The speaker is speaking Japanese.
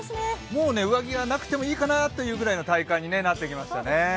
もう上着がなくてもいいかなというぐらいの体感になってきましたね。